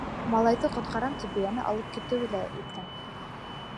Малайҙы ҡотҡарам тип, бейәне алып китеүе лә еткән.